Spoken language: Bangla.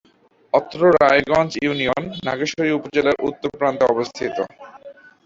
অত্র রায়গঞ্জ ইউনিয়ন নাগেশ্বরী উপজেলার উত্তর প্রান্তে অবস্থিত।